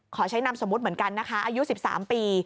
ขอใช้นามสมมุติเหมือนกันนะคะอายุ๑๓ปี